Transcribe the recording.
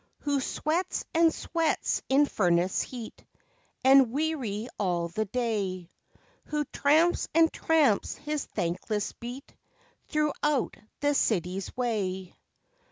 Who sweats and sweats in furnace heat? And weary all the day, Who tramps and tramps his thankless beat, Throughout the city's way?